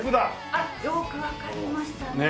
あっよくわかりましたね。